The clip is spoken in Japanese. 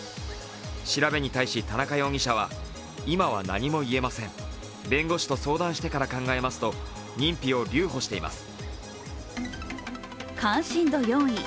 調べに対し田中容疑者は今は何も言えません、弁護士と相談してから考えますとと認否を留保しています。